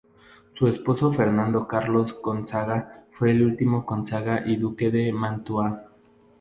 Su esposo Fernando Carlos Gonzaga fue el último Gonzaga y Duque de Mantua.